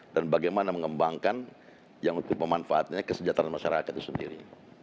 dan bagaimana mengembangkan yang untuk pemanfaatnya kesejahteraan masyarakat itu sendiri